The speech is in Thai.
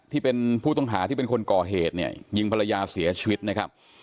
ที่เป็นผู้ต้องหาที่เป็นคนก่อเหตุเนี่ยยิงภรรยาเสียชีวิตนะครับ